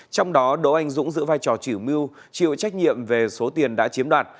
trong đó đỗ anh dũng giữ vai trò chỉu mưu chịu trách nhiệm về số tiền đã chiếm đoạt